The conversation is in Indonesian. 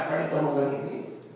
kami kemukaan ini